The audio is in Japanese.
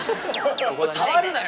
触るなよ。